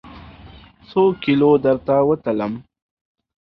څوکیلو درته وتلم؟